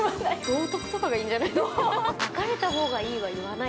道徳とかがいいんじゃないかな。